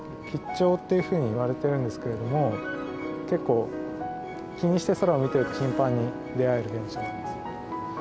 吉兆っていうふうにいわれてるんですけれども結構気にして空を見てると頻繁に出会える現象です。